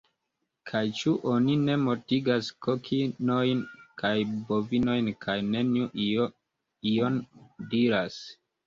Kaj ĉu oni ne mortigas kokinojn kaj bovinojn kaj neniu ion diras?